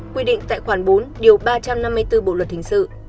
quy định tại khoản bốn điều ba trăm năm mươi bốn bộ luật hình sự